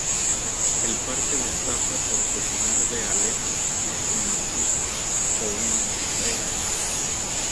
El parque destaca por su pinar de Aleppo y su maquia o un anfiteatro.